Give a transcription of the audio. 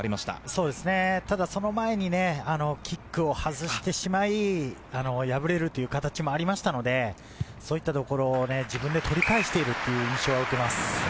ただその前にキックを外してしまい、敗れるという形もありましたので、そういったところを自分で取り返しているという印象は受けます。